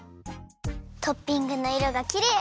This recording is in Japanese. トッピングのいろがきれい！